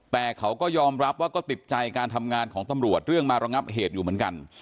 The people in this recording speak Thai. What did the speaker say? แต่เขาก็ยอมรับว่าก็ติดใจการทำงานของตำรวจเรื่องมาระงับเหตุอยู่เหมือนกัน